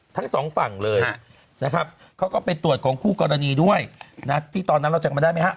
ทั้งสองฝั่งเลยนะครับเขาก็ไปตรวจของคู่กรณีด้วยนะที่ตอนนั้นเราจำมาได้ไหมฮะ